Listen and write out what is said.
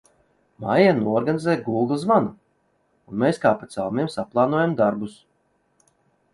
Maija noorganizē Gūgle zvanu, un mēs kā pa celmiem saplānojam darbus.